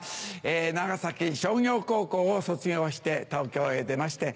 長崎商業高校を卒業して東京へ出まして。